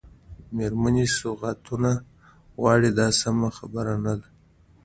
مېرمنې سوغاتونه غواړي دا سمه خبره نه ده.